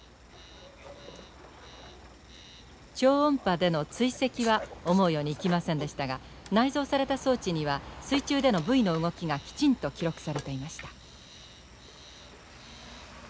超音波での追跡は思うようにいきませんでしたが内蔵された装置には水中でのブイの動きがきちんと記録されていました。